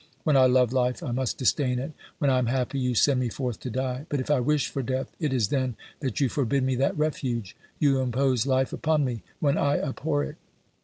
When I love life, I must disdain it ; when I am happy, you send me forth to die ; but if I wish for death, it is then that you forbid me that refuge; you impose life upon me when I abhor it